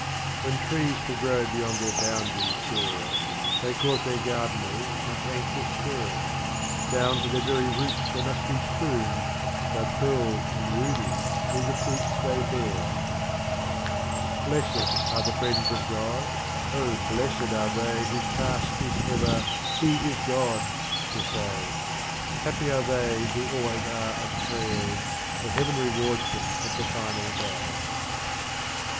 39. When Trees to grow beyond their boundaries dare. They cause the Gardeners much anxious care ; DoAvn to their very Roots they must be pruned, Though Pearls and Rubies be the Fruits they bear. BABA TAHIR 11 40. Blessed are the Friends of God, Oh, blessed are they Whose Task is ever " He is God " to say ; Happy are they who always are at Prayers, For Heaven rewards them at the Final Day.